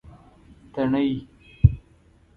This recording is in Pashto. تڼۍ